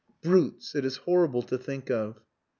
Brutes. It is horrible to think of."